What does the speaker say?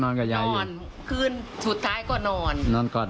ต้องไปรับปริญญากับผมก่อนนะไปสายลูกกับผมก่อนนะครับ